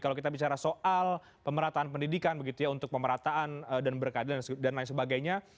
kalau kita bicara soal pemerataan pendidikan begitu ya untuk pemerataan dan berkeadilan dan lain sebagainya